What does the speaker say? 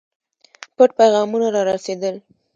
پټ پیغامونه را رسېدل.